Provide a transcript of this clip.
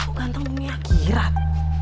kok ganteng punya kirat